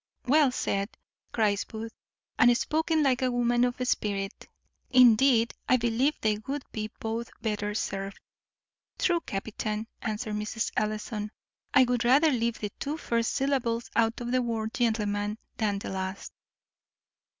"Well said," cries Booth, "and spoken like a woman of spirit. Indeed, I believe they would be both better served." "True, captain," answered Mrs. Ellison; "I would rather leave the two first syllables out of the word gentleman than the last."